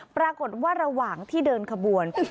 ปรากฏว่าระหว่างที่เดินขบวน